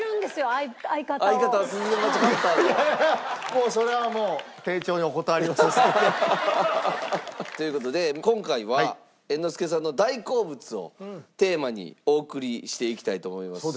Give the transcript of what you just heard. もうそれはもう。という事で今回は猿之助さんの大好物をテーマにお送りしていきたいと思います。